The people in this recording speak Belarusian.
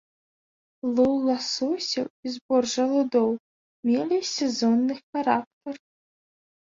Лоў ласосяў і збор жалудоў мелі сезонны характар.